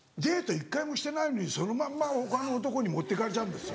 １回もしてないのにそのまんま他の男に持ってかれちゃうんですよ？